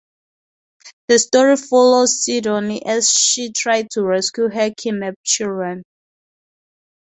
The story follows Sidonie as she tried to rescue her kidnapped children.